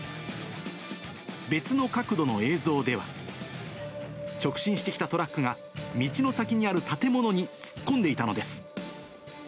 別の角度の映像では、直進してきたトラックが、道の先にある建物に突っ込んでいたのです。